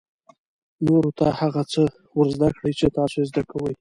نورو ته هغه څه ور زده کړئ چې تاسو یې زده کوئ.